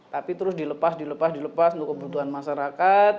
tapi terus dilepas untuk kebutuhan masyarakat